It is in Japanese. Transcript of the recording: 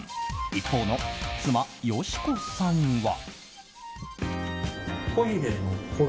一方の妻・佳子さんは。